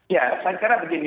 ya saya kira begini